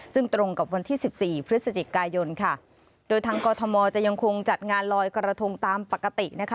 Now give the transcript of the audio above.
ซึ่งตรงกับวันที่สิบสี่พฤศจิกายนค่ะโดยทางกรทมจะยังคงจัดงานลอยกระทงตามปกตินะคะ